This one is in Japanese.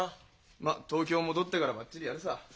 まあ東京戻ってからばっちりやるさ。